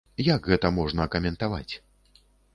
Як гэта можна каментаваць?